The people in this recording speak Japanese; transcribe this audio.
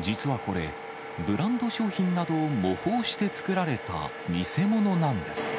実はこれ、ブランド商品などを模倣して作られた偽物なんです。